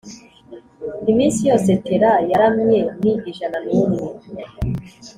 Iminsi yose Tera yaramye ni ijana n’umwe